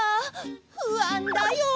ふあんだよ！